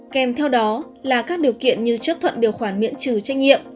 kèm theo đó là các điều kiện như chấp thuận điều khoản miễn trừ trách nhiệm